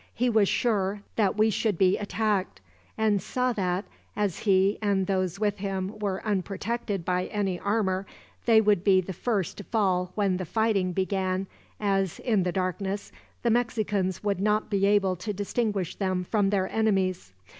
He was sure that we should be attacked; and saw that, as he and those with him were unprotected by any armor, they would be the first to fall when the fighting began as, in the darkness, the Mexicans would not be able to distinguish them from their enemies.